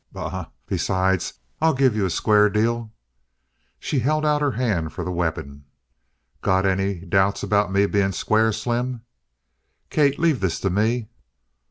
"Bah! Besides, I'll give you a square deal." She held out her hand for the weapon. "Got any doubts about me being square, Slim?" "Kate, leave this to me!"